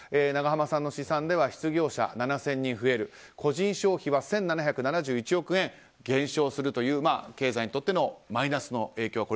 永濱さんの試算では失業者７０００人増える個人消費は１７７１億円減少するという経済にとってのマイナスの影響